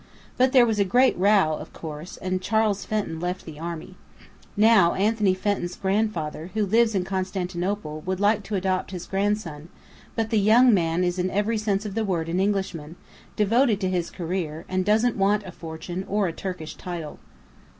But there was a great row, of course, and Charles Fenton left the Army. Now Anthony Fenton's grandfather, who lives in Constantinople, would like to adopt his grandson: but the young man is in every sense of the word an Englishman, devoted to his career, and doesn't want a fortune or a Turkish title."